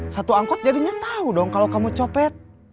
satu angkot jadinya tahu dong kalau kamu copet